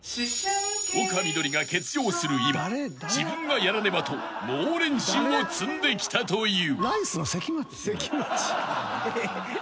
［丘みどりが欠場する今自分がやらねばと猛練習を積んできたという］